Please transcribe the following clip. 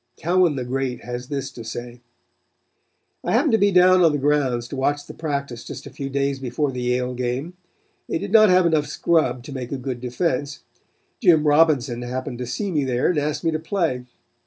Cowan the great has this to say: "I happened to be down on the grounds to watch the practice just a few days before the Yale game. They did not have enough scrub to make a good defense. Jim Robinson happened to see me there and asked me to play.